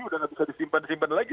udah nggak bisa disimpan disimpan lagi